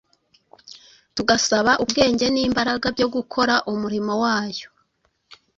tugasaba ubwenge n’imbaraga byo gukora umurimo wayo